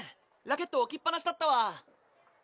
ラケット置きっぱなしだったわ。